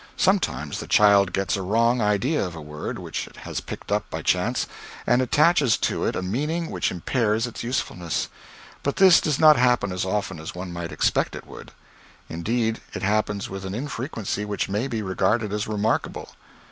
Sometimes the child gets a wrong idea of a word which it has picked up by chance, and attaches to it a meaning which impairs its usefulness but this does not happen as often as one might expect it would. Indeed, it happens with an infrequency which may be regarded as remarkable.